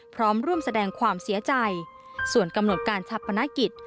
พร้อมร่วมแสดงความเสียใจส่วนกำหนดการทรัพย์พนาคิต